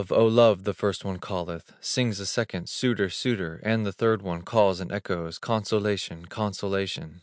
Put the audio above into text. O Love!" the first one calleth; Sings the second, "Suitor! Suitor!" And the third one calls and echoes, "Consolation! Consolation!"